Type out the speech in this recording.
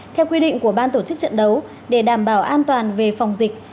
theo quy định của ban tổ chức trận đấu để đảm bảo an toàn về phòng dịch